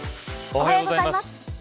おはようございます。